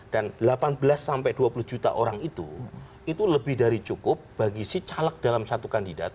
dan delapan belas dua puluh juta orang itu itu lebih dari cukup bagi si caleg dalam satu kandidat